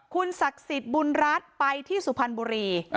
คุณศักดิ์สิทธิ์บุญรัฐไปที่สุพรรณบุรี